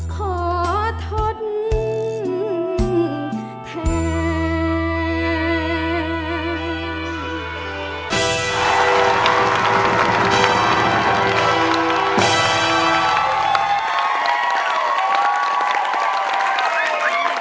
ขอทนแทน